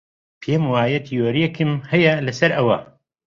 پێم وایە تیۆرییەکم هەیە لەسەر ئەوە.